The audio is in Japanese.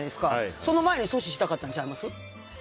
その前に阻止したかったんとちゃいます？